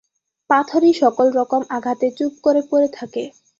পাথরই সকল রকম আঘাতে চুপ করে পড়ে থাকে।